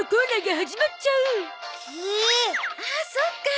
ああそっか。